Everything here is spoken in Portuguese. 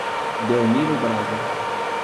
Belmiro Braga